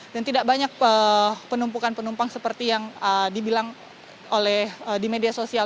dan tidak banyak penumpukan penumpang seperti yang dibilang oleh di media sosial